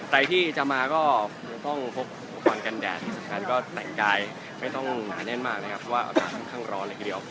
ใครที่จะมาก็คงต้องพบก่อนกันแดดที่สำคัญก็แต่งกายไม่ต้องหนาแน่นมากนะครับเพราะว่าอากาศค่อนข้างร้อนเลยทีเดียว